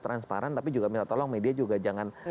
transparan tapi juga minta tolong media juga jangan